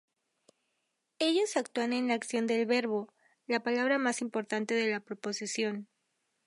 Ellos actúan en la acción del verbo, la palabra más importante de la proposición.